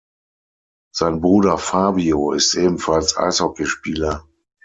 Sein Bruder Fabio ist ebenfalls Eishockeyspieler.